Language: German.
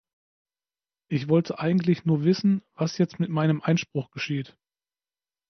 Ich wollte eigentlich nur wissen, was jetzt mit meinem Einspruch geschieht.